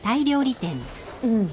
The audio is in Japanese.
うん。